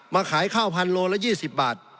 มาขายข้าวพันธุ์โลละ๒๐บาท